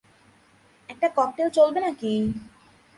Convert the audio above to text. একটা ককটেল চলবে নাকি?